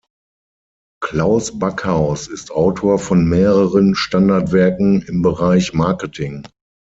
Klaus Backhaus ist Autor von mehreren Standardwerken im Bereich Marketing.